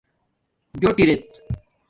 جݸٹژ